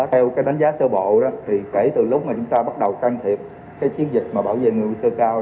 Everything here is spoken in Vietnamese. theo đánh giá sơ bộ thì kể từ lúc chúng ta bắt đầu can thiệp chiến dịch bảo vệ người nguy cơ cao